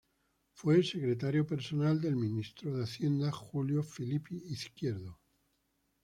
Fue secretario personal del Ministro de Hacienda, Julio Philippi Izquierdo.